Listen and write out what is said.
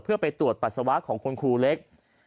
เพื่อไปตรวจปัสสาวะของคุณครูเล็ก